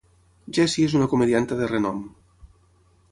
Jessie és una comedianta de renom.